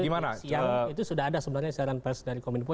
siang itu sudah ada sebenarnya siaran pers dari kominfo